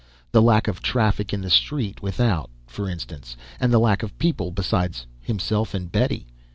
The lack of traffic in the street without, for instance and the lack of people besides himself and Betty.